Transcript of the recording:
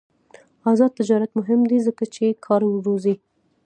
آزاد تجارت مهم دی ځکه چې کار روزي.